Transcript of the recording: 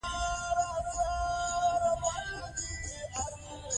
خپل کورونه په معیاري ډول جوړ کړئ.